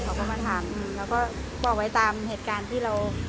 เขาก็มาทำแล้วก็บอกไว้ตามเหตุการณ์ที่เรา